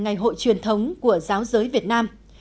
ngày hội truyền thống của giáo giới việt nam